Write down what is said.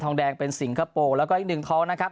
ทองแดงเป็นสิงคโปร์แล้วก็อีก๑ทองนะครับ